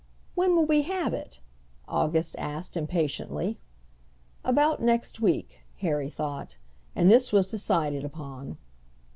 "When will we have it?" August asked impatiently. "About next week," Harry thought, and this was decided upon.